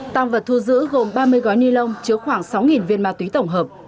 tăng vật thu giữ gồm ba mươi gói ni lông chứa khoảng sáu viên ma túy tổng hợp